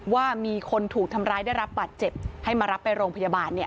ว่ามีคนถูกทำร้ายได้รับบาดเจ็บให้มารับไปโรงพยาบาลเนี่ย